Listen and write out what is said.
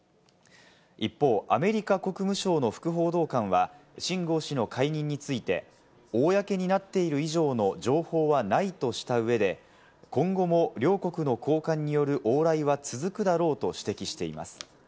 一方、アメリカ国務省の副報道官はシン・ゴウ氏の解任について、公になっている以上の情報はないとした上で、今後も両国の高官による往来は続くだろうと指摘しています。